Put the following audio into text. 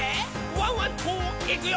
ワンワンといくよ」